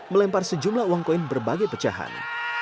melempar sejumlah uang koin berbagai pecahan